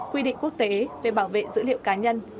quy định quốc tế về bảo vệ dữ liệu cá nhân